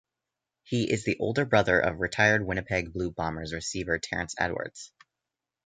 He is the older brother of retired Winnipeg Blue Bombers receiver Terrence Edwards.